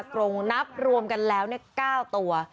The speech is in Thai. กรงนับรวมกันแล้ว๙ตัว